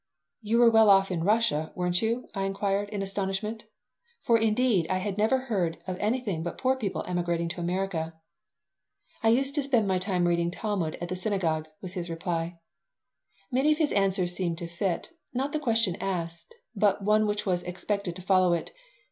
"You were well off in Russia, weren't you?" I inquired, in astonishment. For, indeed, I had never heard of any but poor people emigrating to America "I used to spend my time reading Talmud at the synagogue," was his reply Many of his answers seemed to fit, not the question asked, but one which was expected to follow it.